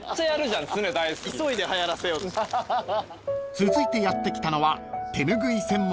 ［続いてやって来たのは］